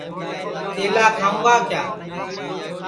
کیلا کھاؤں گا کِیا